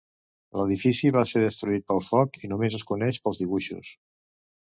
L'edifici va ser destruït pel foc i només es coneix pels dibuixos.